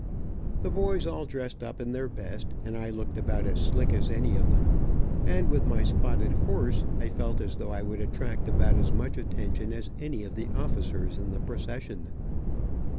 The boys all dressed up in their best, and I looked about as slick as any of them, and with my spotted horse, I felt as though I would attract about as much attention as any of the officers in the procession.